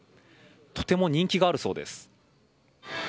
とても人気があるそうです。